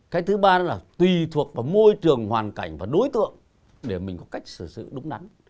cái thứ ba là tùy thuộc vào môi trường hoàn cảnh và đối tượng để mình có cách xử sự đúng đắn